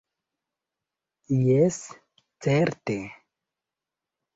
Jes, certe.